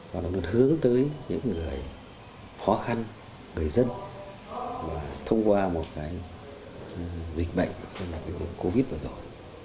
và nó được hướng tới những người khó khăn người dân và thông qua một cái dịch bệnh dịch covid vừa rồi